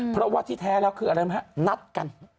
เพราะว่าที่แท้แล้วคืออะไรรู้ไหมฮะนัดกัน